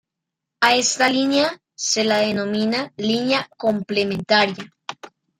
A esta línea se la denomina línea complementaria.